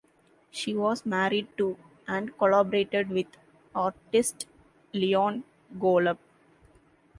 She was married to, and collaborated with, artist Leon Golub.